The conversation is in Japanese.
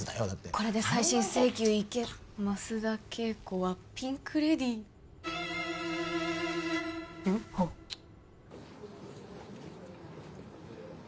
これで再審請求いけ増田惠子はピンク・レディーＵＦＯチッ！